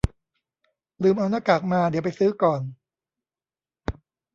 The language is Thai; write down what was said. ลืมเอาหน้ากากมา เดี๋ยวไปซื้อก่อน